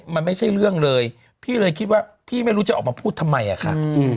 มันไม่ใช่เรื่องเลยพี่เลยคิดว่าพี่ไม่รู้จะออกมาพูดทำไมอะค่ะ